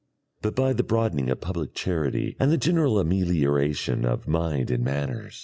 "] but by the broadening of public charity and the general amelioration of mind and manners.